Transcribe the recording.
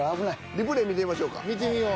リプレイで見てみましょう。